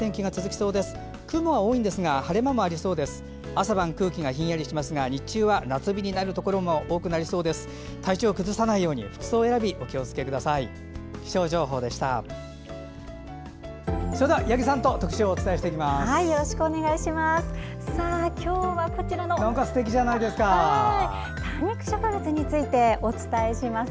それでは、八木さんと特集をお伝えしていきます。